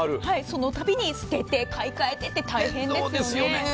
その度に捨てて買い替えてって面倒ですよね。